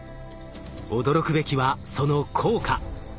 驚くべきはその効果。